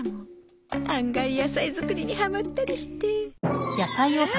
案外野菜作りにはまったりして